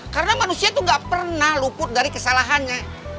karena manusia tuh gak pernah luput dari kesalahannya